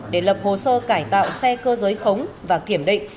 để lập hồ sơ cải tạo xe cơ giới khống và kiểm định